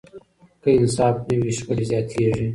که انصاف نه وي، شخړې زیاتېږي.